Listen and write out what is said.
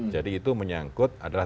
jadi itu menyangkut adalah